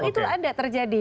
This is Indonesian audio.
itu ada terjadi